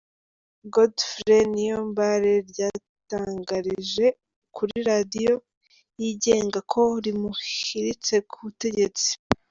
Godefroid Niyombare ryatangarije kuri radiyo yigenga ko rimuhiritse ku butegetsi.